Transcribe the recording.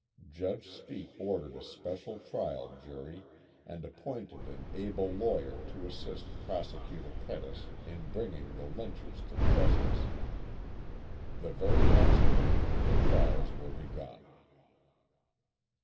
Judge Speake ordered a special trial jury, and appointed an able lawyer to assist Prosecutor Pettus in bringing the lynchers to justice. The very next week the trials were begun.